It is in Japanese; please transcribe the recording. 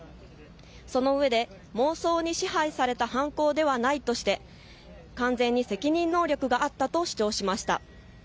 そのうえで、妄想に支配された犯行ではないとして完全に責任能力があったと主張しました。